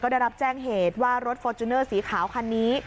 ได้รับแจ้งเหตุว่ารถฟอร์จูเนอร์สีขาวคันนี้